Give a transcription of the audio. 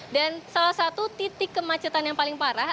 dan salah satu titik kemacetan yang paling parah